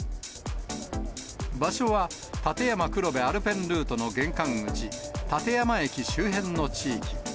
場所は、立山黒部アルペンルートの玄関口、立山駅周辺の地域。